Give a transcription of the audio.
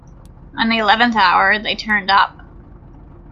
On the eleventh hour, they turned up.